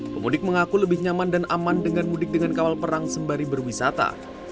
pemudik mengaku lebih nyaman dan aman dengan mudik dengan kawal perang sembari berwisata